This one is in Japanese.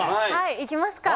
いきますか。